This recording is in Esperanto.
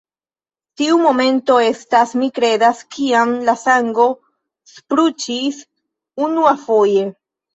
Tiu momento estas, mi kredas, kiam la sango spruĉis unuafoje.